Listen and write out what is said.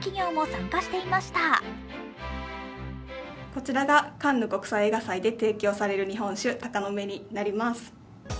こちらがカンヌ国際映画祭で提供される日本酒、ＴＡＫＡＮＯＭＥになります。